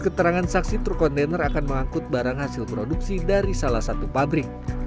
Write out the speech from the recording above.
keterangan saksi truk kontainer akan mengangkut barang hasil produksi dari salah satu pabrik